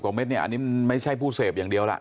เม็ดเนี่ยอันนี้มันไม่ใช่ผู้เสพอย่างเดียวล่ะ